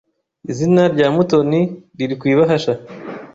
Izina rya Mutoni riri ku ibahasha.